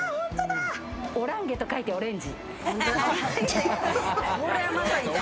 オランゲと書いてオレンジ。